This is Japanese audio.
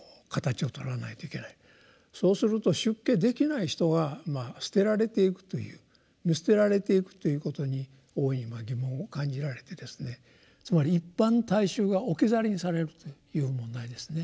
そうすると出家できない人は捨てられていくという見捨てられていくということに大いに疑問を感じられてですねつまり一般大衆が置き去りにされるという問題ですね。